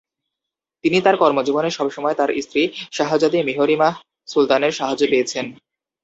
তিনি তার কর্মজীবনে সবসময় তার স্ত্রী শাহজাদী মিহরিমাহ সুলতানের সাহায্য পেয়েছেন।